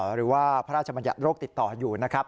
หรือว่าพระราชบัญญัติโรคติดต่ออยู่นะครับ